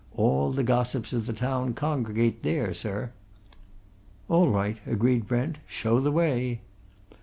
All the gossips of the town congregate there, sir." "All right," agreed Brent. "Show the way!"